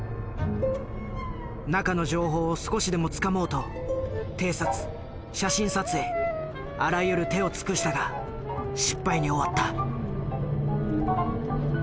中の情報を少しでもつかもうと偵察写真撮影あらゆる手を尽くしたが失敗に終わった。